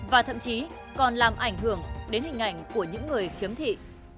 và thậm chí còn làm ảnh hưởng đến hình ảnh của những người khiếm thị